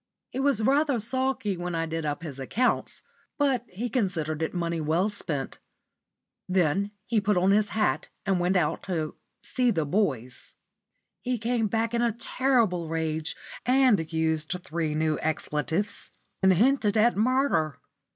He was rather sulky when I did up his accounts, but he considered it money well spent. Then he put on his hat and went out "to see the boys." He came back in a terrible rage, and used three new expletives, and hinted at murder.